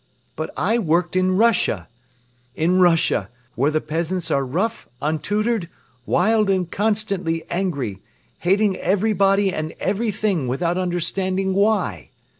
But I worked in Russia! In Russia, where the peasants are rough, untutored, wild and constantly angry, hating everybody and everything without understanding why.